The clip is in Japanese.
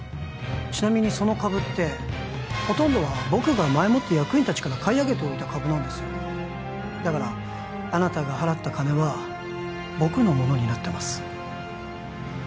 ちなみにその株ってほとんどは僕が前もって役員達から買い上げておいた株なんですよだからあなたが払った金は僕のものになってます